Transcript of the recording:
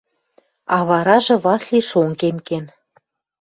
А варажы Васли шонгем кен.